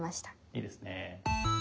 いいですね。